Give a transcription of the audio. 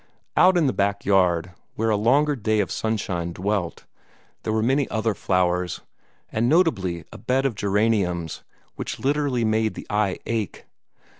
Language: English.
Out in the back yard, where a longer day of sunshine dwelt, there were many other flowers, and notably a bed of geraniums which literally made the eye ache.